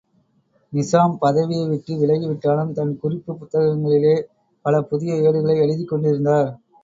நிசாம், பதவியைவிட்டு விலகிவிட்டாலும் தன் குறிப்புப் புத்தகங்களிலே பலபுதிய ஏடுகளை எழுதிக் கொண்டிருந்தார்.